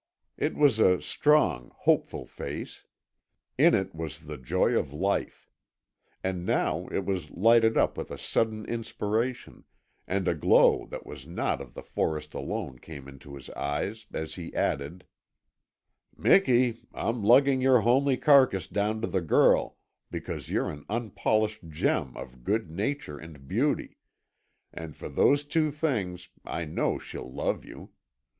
It was a strong, hopeful face. In it was the joy of life. And now it was lighted up with a sudden inspiration, and a glow that was not of the forest alone came into his eyes, as he added: "Miki, I'm lugging your homely carcass down to the Girl because you're an unpolished gem of good nature and beauty and for those two things I know she'll love you.